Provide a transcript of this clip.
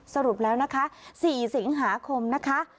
สรุปแล้วนะคะ๔สิงหาคมนะคะ